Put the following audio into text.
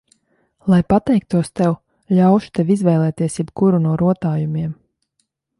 Lai pateiktos tev, ļaušu tev izvēlēties jebkuru no rotājumiem.